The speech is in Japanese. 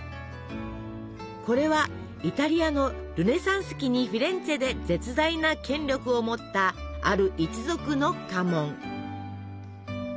これはイタリアのルネサンス期にフィレンツェで絶大な権力を持ったある一族の家紋。